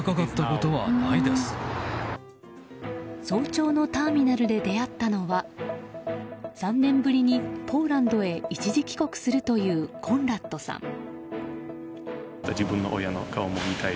早朝のターミナルで出会ったのは３年ぶりにポーランドへ一時帰国するというコンラッドさん。